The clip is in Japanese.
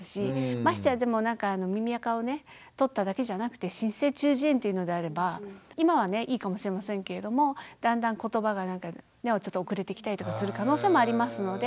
ましてや耳あかをね取っただけじゃなくて滲出性中耳炎というのであれば今はねいいかもしれませんけれどもだんだん言葉が遅れてきたりとかする可能性もありますので。